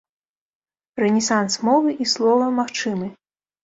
Рэнесанс мовы і слова магчымы.